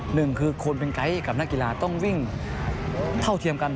หนึ่งคือคนเป็นไกด์กับนักกีฬาต้องวิ่งเท่าเทียมกัน